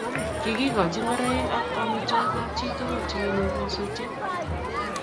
kikikochi ngoroi ak amitwakik kap chit tugu che kinyor nyasutiet